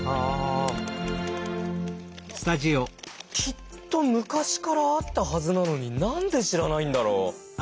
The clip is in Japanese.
きっと昔からあったはずなのに何で知らないんだろう？